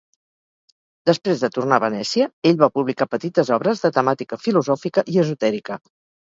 Després de tornar a Venècia, ell va publicar petites obres de temàtica filosòfica i esotèrica.